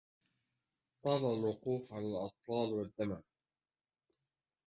طال الوقوف على الأطلال والدمن